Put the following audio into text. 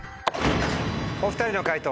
お２人の解答